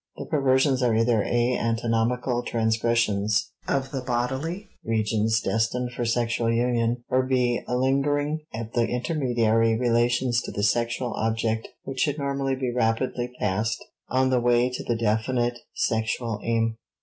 The perversions are either (a) anatomical transgressions of the bodily regions destined for sexual union, or (b) a lingering at the intermediary relations to the sexual object which should normally be rapidly passed on the way to the definite sexual aim.